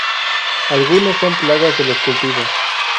Algunos son plagas de los cultivos.